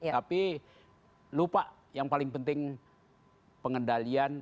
tapi lupa yang paling penting pengendalian